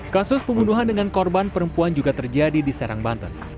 kasus pembunuhan dengan korban perempuan juga terjadi di serang banten